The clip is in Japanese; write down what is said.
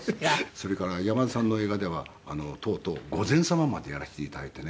それから山田さんの映画ではとうとう御前様までやらせて頂いてね。